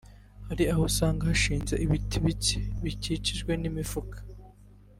Hari aho usanga hashinze ibiti bike bikikijwe n’imifuka